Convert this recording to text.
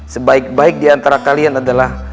sebaik baik diantara kalian adalah